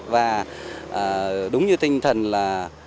và đúng như tinh thần là